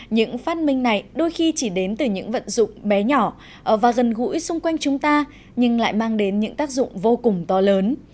những phát minh này đôi khi chỉ đến từ những vận dụng bé nhỏ và gần gũi xung quanh chúng ta nhưng lại mang đến những tác dụng vô cùng to lớn